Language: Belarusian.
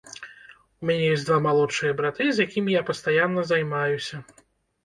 У мяне ёсць два малодшыя браты, з якімі я пастаянна займаюся.